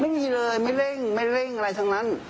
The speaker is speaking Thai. ไม่มีเลยไม่เร่งไม่เร่งอะไรทั้งนั้น